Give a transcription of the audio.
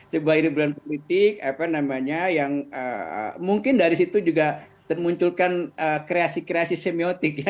sebuah hiburan politik apa namanya yang mungkin dari situ juga termunculkan kreasi kreasi semiotik ya